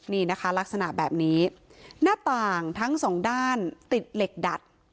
นี่นะคะลักษณะแบบนี้หน้าต่างทั้งสองด้านติดเหล็กดัด